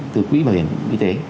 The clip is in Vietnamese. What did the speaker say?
từ quỹ bảo hiểm y tế